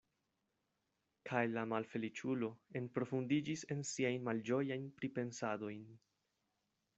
Kaj la malfeliĉulo enprofundiĝis en siajn malĝojajn pripensadojn.